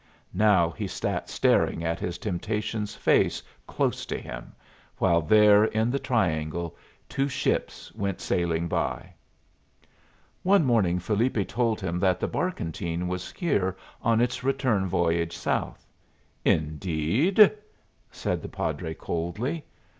Now he sat staring at his temptation's face, close to him, while there in the triangle two ships went sailing by. One morning Felipe told him that the barkentine was here on its return voyage south. "Indeed?" said the padre, coldly.